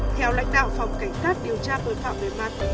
theo lãnh đạo phòng cảnh sát điều tra tội phạm về ma túy